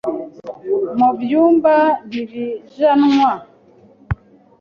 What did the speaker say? Mu Nyumba ntibijanwa